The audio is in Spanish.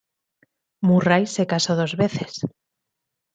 Murray se casó dos veces.